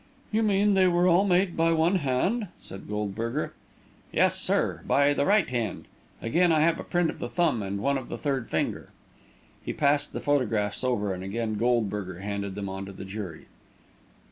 "You mean they were all made by one hand?" asked Goldberger. "Yes, sir; by the right hand. Again I have a print of the thumb and one of the third finger." He passed the photographs over, and again Goldberger handed them on to the jury.